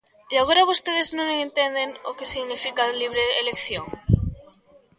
¿E agora vostedes non entenden o que significa a libre elección?